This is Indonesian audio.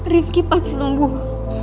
ripky pasti sembuh